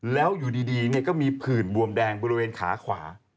แล้วอยู่ดีก็มีผื่นบวมแดงบริเวณขาขวา